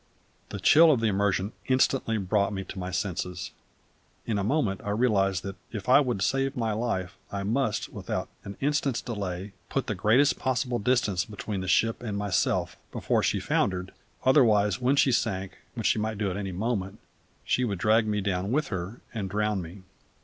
The chill of the immersion instantly brought me to my senses. In a moment I realised that if I would save my life I must, without an instant's delay, put the greatest possible distance between the ship and myself before she foundered, otherwise when she sank which she might do at any moment she would drag me down with her, and drown me.